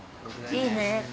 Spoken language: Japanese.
いいね。